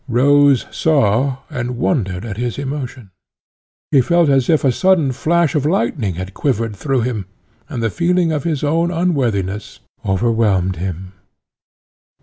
Rose saw and wondered at his emotion. He felt as if a sudden flash of lightning had quivered through him, and the feeling of his own unworthiness overwhelmed him.